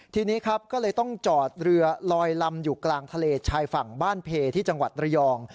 ทีนี้ครับก็เลยต้องจอดเรือลอยลำอยู่กลางทะเลชายฝั่งบ้านเพที่จังหวัดระยอง